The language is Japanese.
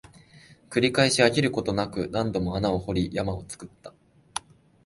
繰り返し、飽きることなく、何度も穴を掘り、山を作った